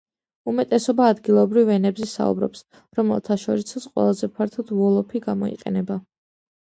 უმეტესობა ადგილობრივ ენებზე საუბრობს, რომელთა შორისაც ყველაზე ფართოდ ვოლოფი გამოიყენება.